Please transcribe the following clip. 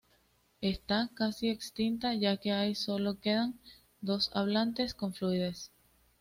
Está casi extinta, ya que hay sólo quedan dos hablantes con fluidez.